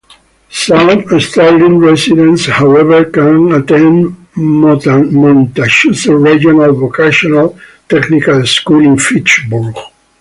Some Sterling residents however can attend Montachusett Regional Vocational Technical School in Fitchburg.